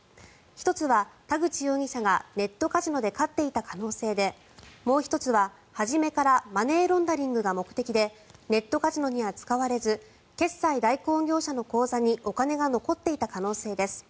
１つは田口容疑者がネットカジノで勝っていた可能性でもう１つは初めからマネーロンダリングが目的でネットカジノには使われず決済代行業者の口座にお金が残っていた可能性です。